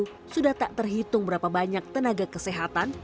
sejak tahun dua ribu sepuluh sudah tak terhitung berapa banyak tenaga kesehatan